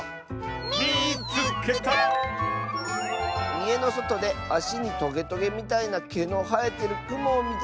「いえのそとであしにトゲトゲみたいなけのはえてるクモをみつけた！」。